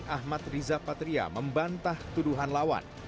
ahmad riza patria membantah tuduhan lawan